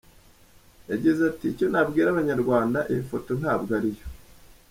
Yagize ati “Icyo nabwira abanyarwanda iyo foto ntabwo ariyo.